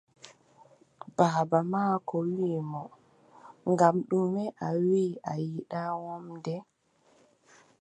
Baaba maako wii mo: ngam ɗume a wii a yiɗi wamnde?